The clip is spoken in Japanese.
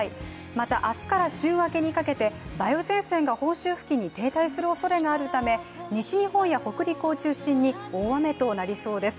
また明日から週明けにかけて、梅雨前線が本州付近に停滞するおそれがあるため西日本や北陸を中心に大雨となりそうです。